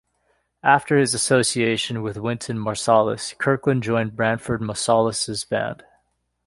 After his association with Wynton Marsalis, Kirkland joined Branford Marsalis's band.